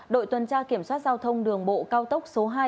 đội tuần tra kiểm soát giao thông đường bộ cao tốc số hai